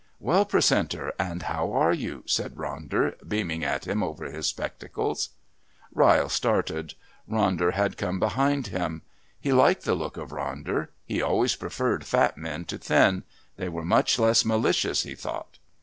"Well, Precentor, and how are you?" said Ronder, beaming at him over his spectacles. Ryle started. Ronder had come behind him. He liked the look of Ronder. He always preferred fat men to thin; they were much less malicious, he thought.